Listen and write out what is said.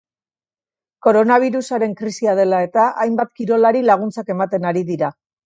Koronabirusaren krisia dela eta hainbat kirolari laguntzak ematen ari dira.